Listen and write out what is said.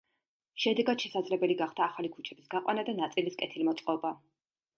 შედეგად შესაძლებელი გახდა ახალი ქუჩების გაყვანა და ნაწილის კეთილმოწყობა.